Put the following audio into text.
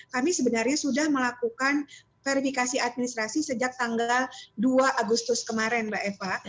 kami sebenarnya sudah melakukan verifikasi administrasi sejak tanggal dua agustus kemarin mbak eva